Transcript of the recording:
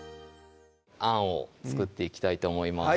あんを作っていきたいと思います